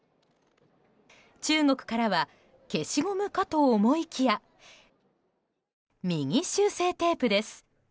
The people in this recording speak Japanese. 中国からは消しゴムかと思いきやミニ修正テープです。